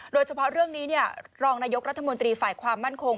โดยเฉพาะเรื่องนี้รองนายกรัฐมนตรีฝ่ายความมั่นคง